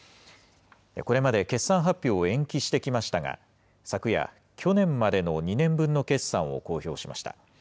これまで決算発表を延期してきましたが、昨夜、去年までの２年分の決算を公表しました。